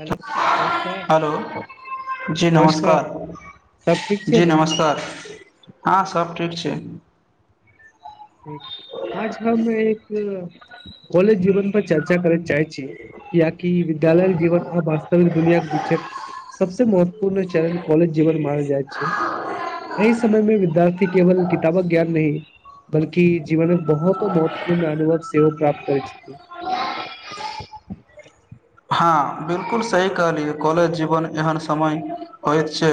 hello नमस्कार hello जी नमस्कार सब ठीक छै जी ने नमस्कार हँ सर ठीक छै आज हम एक कॉलेज जीवन पर चर्चा करै चाहै छी कियाकि विद्यालय जीवन आ वास्तविक दुनिया के बीच सबस महत्वपूर्ण चरण कॉलेज जीवन मार जाइत छै एहि समय मे विद्यार्थी केवल कितबक ज्ञान नहि बलकी जीवनक बहुतो महत्वपूर्ण अनुभव सेव प्राप्त करै छै हँ बिलकुल सही कहलियै कॉलेज जीवन एहन समय होइत छै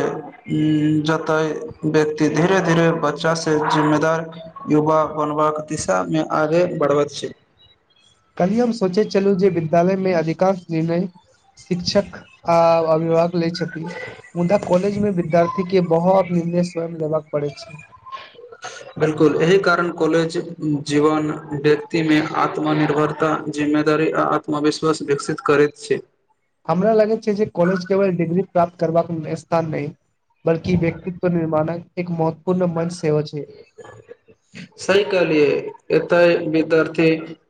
जतय व्यक्ति धीरे धीरे बच्चा से जिम्मेदार युवा बनबाक पैसामे आगे बढ़बैत छै कली हम सोचे चलू जे विद्यालयमे अधिकांश निर्णय शिक्षक आ अभिभक लै छथि मुदा कॉलेज मे विद्यार्थी के बहुत निर्णय स्वयं लेबय पड़ै छै ह [inaudible] बिलकुल एहि कारण कॉलेज जीवन व्यक्तिमे आत्मनिर्भरता जीव जदी आ आत्मविश्वास विकसित करै छै हमरा लगे छै जे कॉलज केवल डिग्री प्राप्त करबाक स्थान नहि बल्कि व्यक्तित्व निर्माणक एक महत्वपूर्ण मंच सेहो छै सह कहलियै एतऽ यथी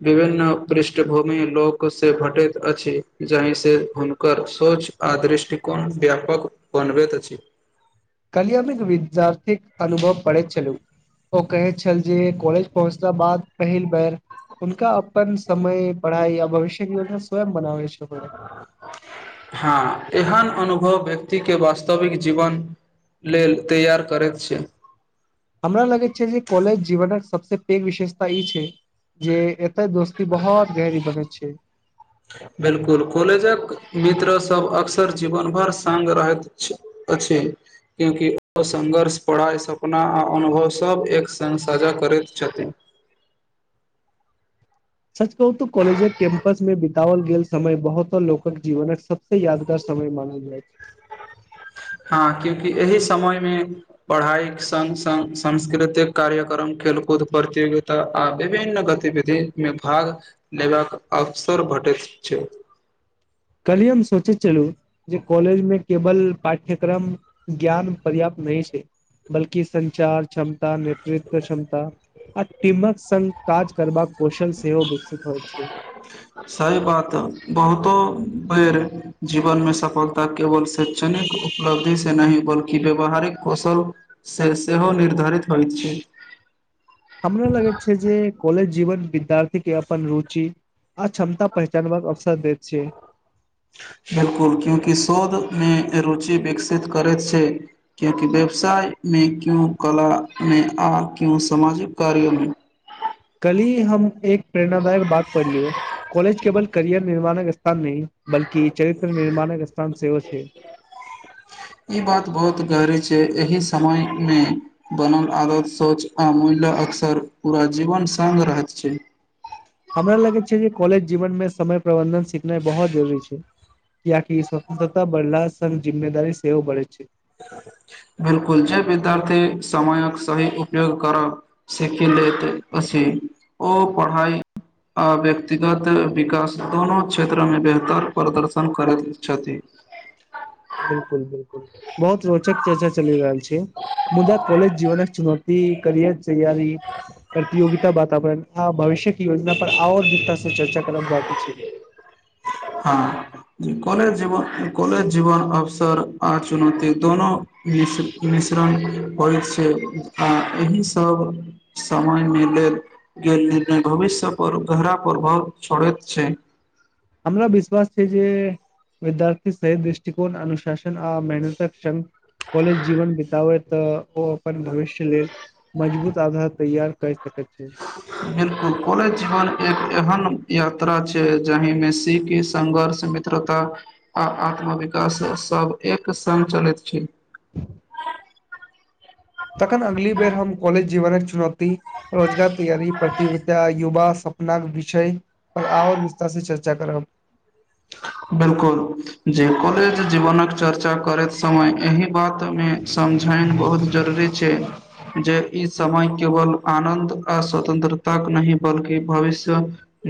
विभिन्न पृष्ठभूमि लोक से भेटैत अछि जहि सेु कर सोच आ दृष्टिकोन व्यापक बनबैत अछि कलियमे विद्यार्थीक अनुभव पढ़ैत छललू ओ कहै छल जे कॉलेज पहुँचता बाद पहिल बेर उनका अपन समय पढ़ाई आ भविष्य योजना स्वयं बनावै छै हँ एहन अनुभव व्यक्तिके वास्तविक जीवन लेल तैयार करैत छै हमरा लगैत छै जे कॉलेज जीवनक सबस पैघ विशेषता ई छै जे एतय दोस्ती बहुत गहरी बनैत छै बिलकुल कॉलेजक मित्र सब अक्सर जीवन भर संग रहैत अछि क्यूकि ओ संघर्ष पड़ा सपना आ अनुभव सभ एक संग साझा करैत छथिन [unintelligible] सच कहु त कॉलेज कैंपस में बिताओल गेल समय बहुतो लोकक जीवने सबसे यादगार समय मानल जाय छै हँ क्यूंकि एहि समय मे पढ़ाई के संग संग सांस्कृतिक कार्यक्रम खेलकूद प्रतियोगिता आ विभिन्न गतिविधि में भाग लेबाक अवसर भ [unintelligible] कली हम सोचैत छलजे कॉलेजमे केवल पाठ्यक्रम ज्ञान पर्याप्त नहि छै बल्कि संचार क्षमता नेतृत्व क्षमता आटीमक स काज करबाका कौशल सेहो भी सही बात बहुतो बेर जीवन मे सफल केवल शैक्षणिक उपलब्धि से नहि बल्कि व्यवहारिक कौशल से सेहो निर्धारित हो छै हमरा लगै छै जे कॉलेज जीवन विद्यार्थी के अपन रुचि आ क्षमता पहचानबाक अवसर दैत छै बिलकुल क्योंकि शोध मे रुचि विकसित करे छै क्योंकि व्यवसाय मे क्यू कला मे आ क्यों सामाजिक कार्यमे ये हम एक प्रेरणाादायक बात पढ़लियौ कॉलेज केवल करियर निर्माणक स्थान नहि बल्कि कि चरित्र निर्माणक स्थान सेवा श्री ई बात बहुत गहरी छै एहि समय मे बनल आदत सोच आमूल्य ल अक्सर पूरा जीवन संग रहैत छै हमरा लगै छै जे कॉलेज जीवन मे समय प्रबन्धन सिखनाइ बहुत जरूरी छै कियाकि स्वतंत्रता बढ़ला संग जिम्मेदारी सेहो बढ़य छै बिलकुल जे विद्यार्थी समयक सभी उपयोग करब सीखि ल त असी ओ पढ़ाई आ व्यक्तिगत विकास दोनो क्षेत्रमे बेहतर प्रदर्शन करैत छथि ह बिलकुल बिलकुल बहुत रोचक चर्चा चलि रहल छै मुदा कॉलेज जीवनक चुनौती कि करियर तैयारी प्रतियोगता वातावरण आ भविष्य कि योजना पर आओर तस शिव चर्चा करब बाकी छै हँ कॉलेज जीवन कॉलेज जीवन अवसर आ चुनौती दोनो होइत छै आ एहि सभ समय मे लेल गेल भविष्य पर गहरा प्रभाव छोड़ेत छै हमरा विश्वास छै जे विद्यार्थी सहित दृष्टिकोन अनुशासन अ मेहनतक संग कॉलेज जीवन बितबै तऽ ओ अपन भविष्य लेल मजबूत आधार तैयार कर सकैत छै बिल्कुल कॉलेज जीवन एक एहन यात्रा छै जाहिमे सीखी संघर्ष मित्रता आ आत्मविकाास सभ एक संग चलैत छी तखन अगली बेर हम कॉलेज जीवनक चुनौती रोजगार तैयारी प्रतित युवा सपना के विषय पर आओर विस्तार से चर्चा करब बिल्कुल जे कॉलेज जीवनक चर्चा करैत समय एहि बात मे समझायन बहुत जरूरी छै जे ई समय केवल आनन्द आ स्वतंत्रतााक नहि बल्कि भविष्य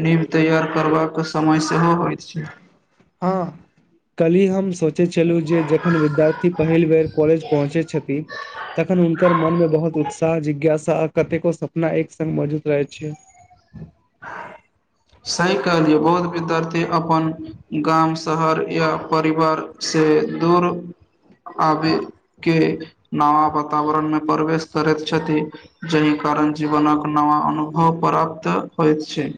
निम्तैयार करबाक समय सेहो होइत छै हां कली हम सोचै छलहुँ जे जखन विद्यार्थी पहिल बेर कॉलेज पहुँचे छथि तखन हुनकर मन मे बहुत उत्साह जिज्ञासा आ कतेको सपना एक संग मौजूद रहै छै [unintelligible] सही कह लिए बहुत विद्यार्थी अपन गाम शहर या परिवार से दूर आबे के नवा वातावरण मे प्रवेश करैत छथि जाहि कारण जीवनक नवा अनुभव पराप्त होयत छै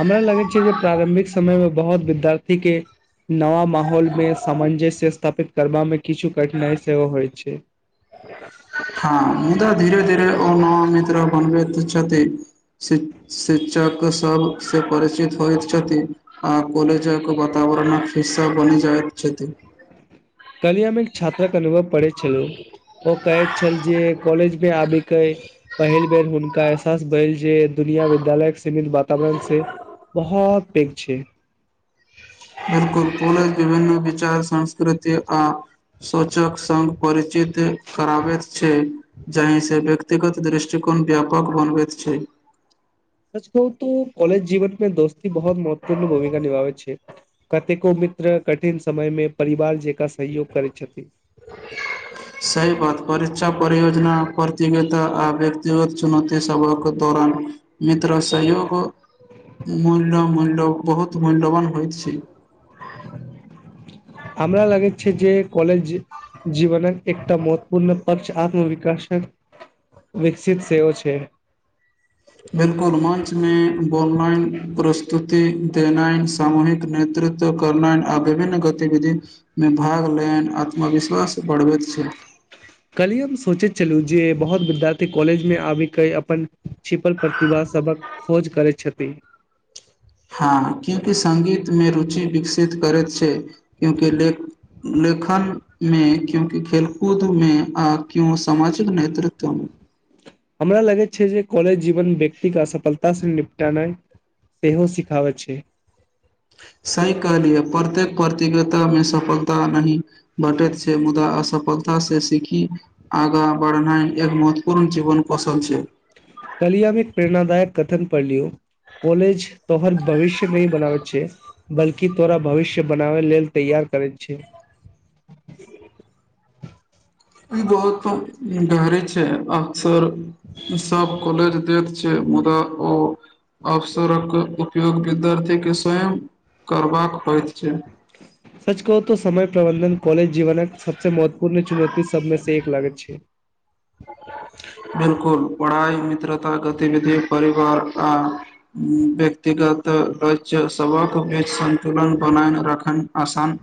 हमरा लगैत छै जे प्रारम्भिक समयमे बहुत विद्यार्थीके नव माहौलमे सामञजस्य स्थापित करबामे किछु कठिनाइ सेहोव होइ छै हँ मुदा धीरे धीरे ओ नव मित्र बनबैत छथि शिक्षक सब परचित होइत छथि आ कॉलेजक वातावरणक हिस्सा बनि जाइत छथि [unintelligible] कलियामे एक छात्रक अनुभव पढ़ै छलु ओ कहैत छल जे कॉलेज मे आबी के पहिल बेर हुनका बैल जे दुनिया विद्यालय सीमित वातावरण से बहुत अपेक्षा बिलकुल पल विभिन्न विचार संस्कृति आ सोचक संघ परिचित कराबेत छै जाहिसँ व्यक्तिगत दृष्टिकोण व्यापक बनबैत छै सच कह त कॉलेज जीवन मे दोस्त बहुत महत्वपूर्ण भूमिका निभाबै छै कतेको मित्र कठिन समय मे परिवार जेका स सहयोग करै छथि सही ऽ आ व्यक्तिगत चुनौती सभा के दौरान मित्र सहयोग मूल्य मूल्य बहुत मूल्यवान हो छी हमरा लागै छै जे कॉलेज जीवनक एकटा महत्वपूर्ण पर्च आत्मविकाशक विकसित सेव छै बिलकुल मञ्चमे बॉनलाइन प्रस्तुति देना सामूहिक नेतृत्व करनाइ आ विभिन्न गतिविधि मे भाग ले आत्मविश्वास बढ़बत छै कलिय हम सोचैत छललू जे बहुत विद्यार्थी कॉलेज मे आबि के अपन छिपल प्रतिभास सबक खोज करै छथि [unintelligible] हँ क्यूंकि सगीत मे रुचि विकसित करैत छै क्यूंकि ले लेखन मे क्यूंकि खेल कूद मे आ क्यूं सामाजिक नेतृत्व मे [unintelligible] हमरा लगैत छै जे कॉलेज जीवन व्यक्तिके असफलता से निपटानइ सेहो सिखाबैत छै [unintelligible] सी कहलियै प्रत्येक प्रतियोगिता में सफलता नहि भेटैत छै मुदा असफलता से सीखी आगाँ बढ़नाइ एक महत्वपूर्ण जीवन कौशल छै कलियामे एक प्रेरणादायक कथन पढ़ लियौ कॉलेज तो हर भविष्य नहि बनाब छै बल्कि तोरा भविष्य बनाबै लेल तैयार करैत छै [unintelligible] ई बहुत गहरी छै अक्सर सब कॉलेज देत मुदा ओ अवसरक उपयोग विद्यार्थी के स्वयं करबाक होइत छै सच कहू तऽ समय प्रबन्धन कॉलेज जीवनक सबसँ महत्वपूर्ण चुनौती सबमे सँ एक लागैत छै बिलकुल पढ़ाइ मित्रता गतिविधि परिवार आ व्यक्तिगत लक्ष्य सभक बीच सन्तुलन बना कऽ रखनाइ आसान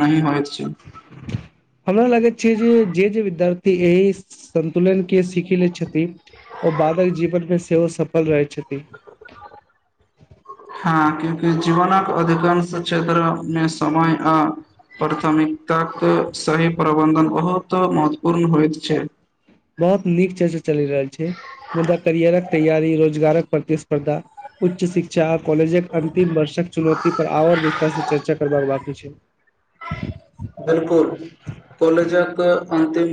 नहि होइत छै हमरा लागैत छै जे जे जे विद्यार्थी एहि सन्तुलनके सीखि लैत छथिन ओ बादक जीवनमे सेहो सफल रहैत छथिन हँ क्यूंकि जीवनक अधिकांश क्षेत्रमे समय आ प्राथमिकताकेँ सही प्रबन्धन बहुत महत्वपूर्ण होइत छै बहुत नीक चर्चा चलि रहल छै मुदा करियरक तैयारी रोजगारक प्रतिस्पर्धा उच्च शिक्षा आ कॉलेजक अन्तिम वर्षक चुनौती पर आओर विस्तारसँ चर्चा करबाक बाकी छै बिलकुल कॉलेजक अन्तिम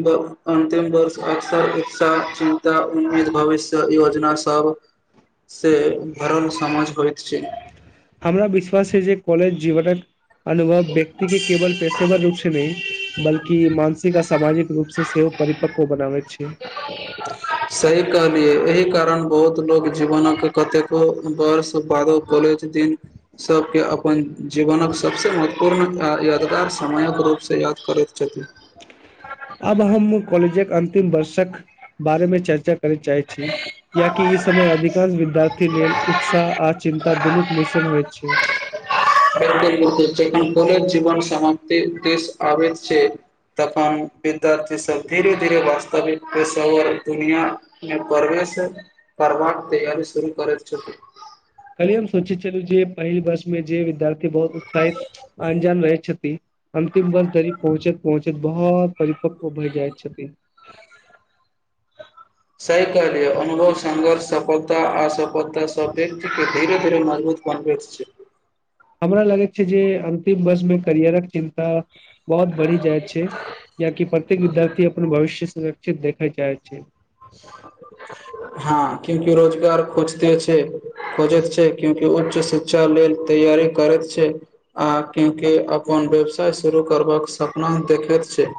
अन्तिम वर्ष अक्सर उत्साह चिन्ता उम्मीद भविष्यक योजनासँ सब सँ भरल समझ होइत छै हमरा विश्वास छै जे कॉलेज जीवनक अनुभव व्यक्ति के केवल पेशेबर रूपसँ नहि बल्कि कि मानसिक आ सामाजिक रूपसँ सेहो परिपक्कव बनाबैत छै सही कहलियै एहि कारण बहुत लोग जीवनक कतेको वर्ष बादो कॉलेज दिन सभकेँ अपन जीवनक सबसँ महत्वपूर्ण यादगार समयक रूपसँ याद करैत छथिन आब हम कॉलेजक अन्तिम वर्षक बारेमे चर्चा करैय चाहैत छी कियाकि ई समय अधिकांश विद्यार्थी लेल उत्साह आ चिन्ता दुनूक मिश्रण होइत छै कतेको लोक एहि लेल जीवन समाप्ति दिश आबैत छै तखन विद्यार्थी सब धीरे-धीरे वास्तविक पेशेवर दुनियांमे बढ़ैत सब करबाक तैयारी शुरू करैत छथिन कल्हिये हम सोचैत छेलि जे पहिल वर्षमे जे विद्यार्थी बहुत उत्साहित आ अनजान रहैत छथि अन्तिम वर्ष धरि पहुँचैत-पहुँचैत बहुत परि- पुपरी जाइत छथिन सहि कहलियै अनुभव संघर्ष सफलता-असफलता सब व्यक्तिके धीरे-धीरे मजबूत बन- बैत छै हमरा लगैत छै जे अंतिम वर्षमे करियरक चिन्ता बहुत बढ़ि जाइत छै कियाकि प्रत्येक विद्यार्थी अपन भविष्य सुरक्षित देखैय चाहैत छै हँ क्यूंकि रोजगार खोजिते छै खोजैत छै क्यूंकि उच्च शिक्षा लेल तैयारी करैत छै आ क्यूंकि अपन अपन व्यवसाय शुरू करबाक सपना देखैत छै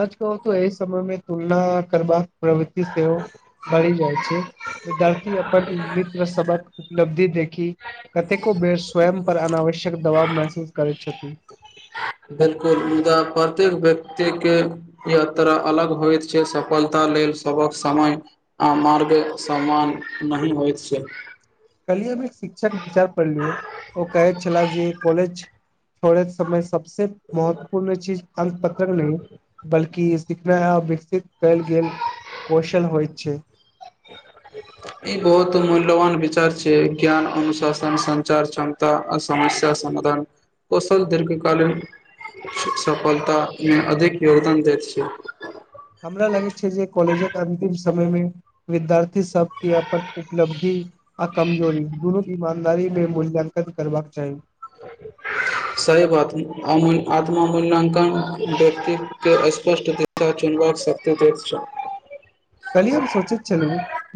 सच कहू तऽ एहि समयमे तुलना करबाक प्रवृति सेहो बढ़ि जाइत छै विद्यार्थी अपन मित्र सभक उपलब्धि देखी कतेको बेर स्वयं पर अनावश्यक दबाव महसूस करैत छथि बिलकुल मुदा प्रत्येक व्यक्तिके यात्रा अलग होइत छै सफलता लेल सभक समय आ मार्ग समान नहि होइत छै कहलियै नै शिक्षक विचार कऽ लियौ ओ कहैत छलाह जे कॉलेज छोड़ैत समय सबसँ महत्वपूर्ण चीज अंक-पत्र नहि बल्कि सिखलाहा आ विकसित कयल गेल कौशल होइत छै ई बहुत मूल्यवान विचार छै ज्ञान अनुशासन संचार क्षमता आ समस्या समाधान कौशल दीर्घकालीन सफलतामे अधिक योगदान दैत छै हमरा लगैत छै जे कॉलेजक अंतिम समयमे विद्यार्थी सबके अपन उपलब्धि आ कमजोरी दुनूक ईमानदारी लेल मूल्यांकन करबाक चाही [unintelligible] सैव आत्म आमूल्यांकन व्यक्ति के स्पष्ट दिशा चुन सकत कली हम सोचैत छलू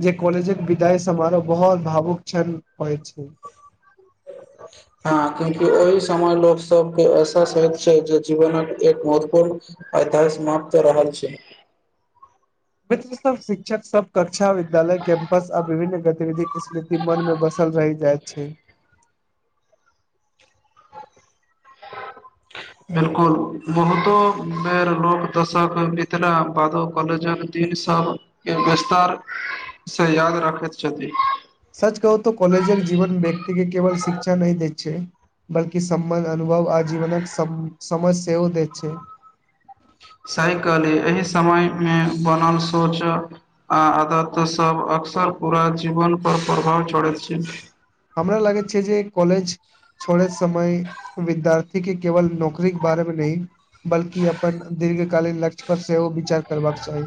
जे कॉलेजक विदाइ समारोह बहुत भावुक क्षण होइ छै [unintelligible] हँ क्यूंकि ओहि समय लोक सबके ऐहसास होइत छै जे जीवनक एक महत्वपूर्ण आधा समाप्त रहल छै मित्र सब शिक्षक सब कक्षा विद्यालय कैंम्पस आ विभिन्न गतिविधि स्मृति मन मे बसल ल रहि जाइत छै [inaudible] बिलकुल बहुतो बेर लोक दशक मिथिला बादो काॅलेजक ई सब के विस्तार से याद राखैत छथि सच कहुतो कॉलजक जीवन व्यक्ति के केवल शिक्षा नहि दै छै बल्कि समबन अनुभव आजीवनक सम समझ सेहो दैत छै सही कहलही एहि समय मे बनल सोच आ आदत सब आ अक्सर पूरा जीवन पर प्रभाव छोड़ैत छै हमरा लागैत छै जे कॉलेज छोड़ोत समय विद्यार्थी के केवल नौकरी के बारेमे नहि बल्कि अपन दीर्घकालीन लक्ष्य पर सेहो विचार करबाक चाही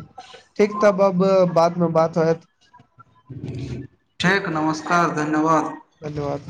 ठीक तब अब बादमे बात हैत ठीक नमस्कार धन्यवाद धन्यवाद